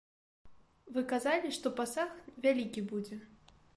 Вы казалі, што пасаг вялікі будзе.